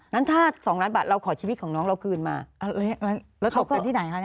นั้นถ้า๒ล้านบาทเราขอชีวิตของน้องเราคืนมาแล้วจบกันที่ไหนคะ